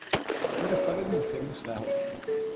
Vede stavební firmu svého otce.